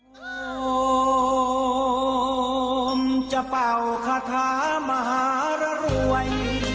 ผมจะเป่าคาถามหารรวย